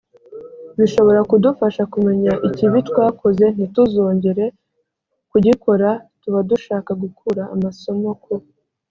bishobora kudufasha kumenya ikibi twakoze ntituzongere kugikora tuba dushaka gukura amasomo ku